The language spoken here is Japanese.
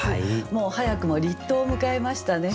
もう早くも立冬を迎えましたね。